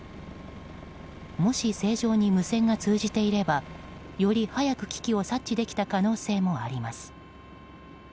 もし正常に無線が通じていればより早く、危機を察知できた可能性もあります。